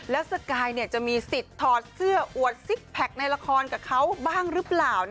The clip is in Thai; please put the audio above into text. แล้วสกายจะมีสิทธิ์ถอดเสื้ออวดซิกแพคในละครกับเขาบ้างหรือเปล่า